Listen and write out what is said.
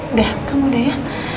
udah kamu udah ya